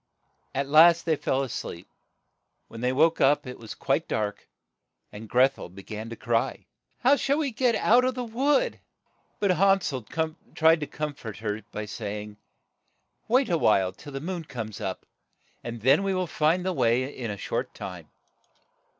At last they fell a sleep. When they woke up it was quite dark, and Greth el be gan to cry, "How shall we get out of the wood?' But Han sel tried to corn fort her by say ing, '' Wait a while till the moon comes up, and then we will find the way in a short time."